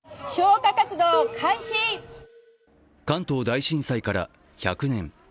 関東大震災から１００年。